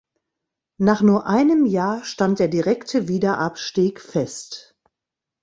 Nach nur einem Jahr stand der direkte Wiederabstieg fest.